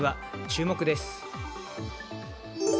注目です。